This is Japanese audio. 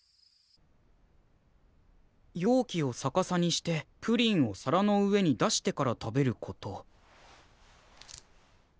「容器を逆さにしてプリンを皿の上に出してから食べること」。